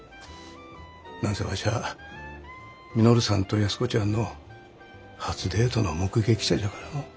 何せわしゃあ稔さんと安子ちゃんの初デートの目撃者じゃからの。